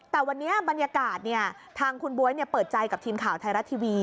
แต่วันนี้บรรยากาศทางคุณบ๊วยเปิดใจกับทีมข่าวไทยรัฐทีวี